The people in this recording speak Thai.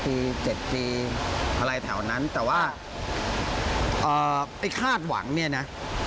ปี๗ปีอะไรแถวนั้นแต่ว่าไอ้คาดหวังเนี่ยนะ